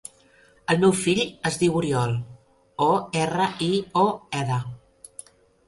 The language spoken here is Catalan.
El meu fill es diu Oriol: o, erra, i, o, ela.